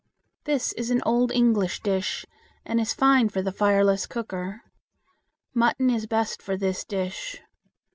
This is an old English dish, and is fine for the fireless cooker. Mutton is best for this dish.